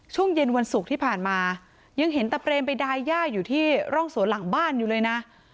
ช่วงเย็นวันศุกร์ที่ผ่านมายังเห็นตะเปรมไปดายย่าอยู่ที่ร่องสวนหลังบ้านอยู่เลยนะ